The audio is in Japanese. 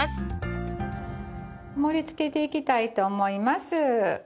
盛りつけていきたいと思います。